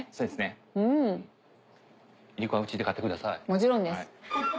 もちろんです。